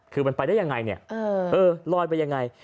คือมันไปได้ยังไงเนี่ยเออลอยไปยังไง